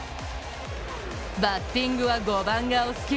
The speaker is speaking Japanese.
バッティングは５番がお好き？